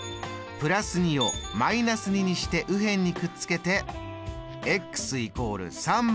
＋２を−２にして右辺にくっつけて＝３−２。